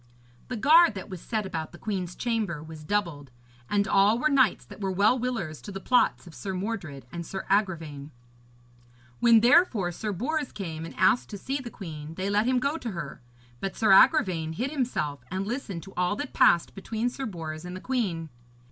The guard that was set about the queen's chamber was doubled, and all were knights that were well willers to the plots of Sir Mordred and Sir Agravaine. When, therefore, Sir Bors came and asked to see the queen, they let him go to her; but Sir Agravaine hid himself and listened to all that passed between Sir Bors and the queen.